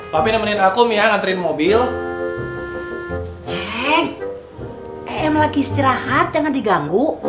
kau bakal masuk varian